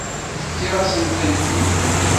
Tefkiḍ-as-tent-id.